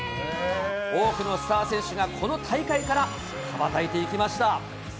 多くのスター選手がこの大会から羽ばたいていきました。